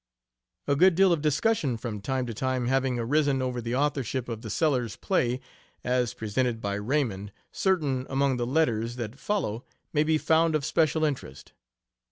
A good deal of discussion from time to time having arisen over the authorship of the Sellers play, as presented by Raymond, certain among the letters that follow may be found of special interest.